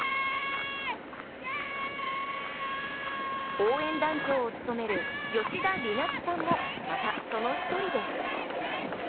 応援団長を務める吉田りなつさんもまたその１人です。